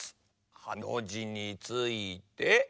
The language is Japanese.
ハのじについて。